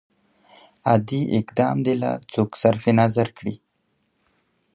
عادي اقدام دې لا څوک صرف نظر کړي.